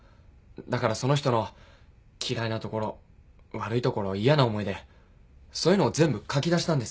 だからその人の嫌いな所悪い所嫌な思い出そういうのを全部書き出したんです。